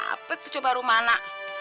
apa tuh coba rumah anak